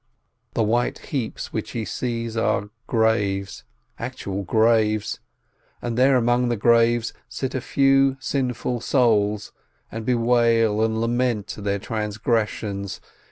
The white heaps which he sees are graves, actual graves, and there among the graves sit a few sinful souls, and bewail and lament their transgressions.